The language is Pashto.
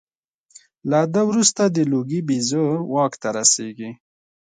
له ده وروسته د لوګي بیزو واک ته رسېږي.